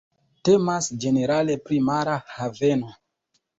Temas ĝenerale pri mara haveno.